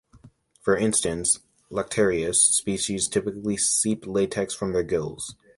For instance, "Lactarius" species typically seep latex from their gills.